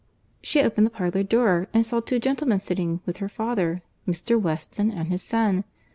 She opened the parlour door, and saw two gentlemen sitting with her father—Mr. Weston and his son.